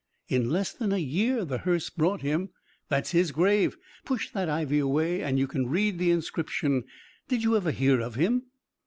In less than a year the hearse brought him. That's his grave push that ivy away and you can read the inscription. Did you ever hear of him?"